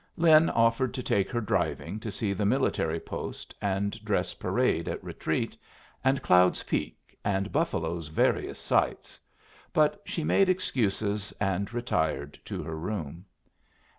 Lin offered to take her driving to see the military post and dress parade at retreat, and Cloud's Peak, and Buffalo's various sights; but she made excuses and retired to her room.